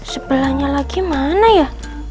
sebelahnya lagi mana ya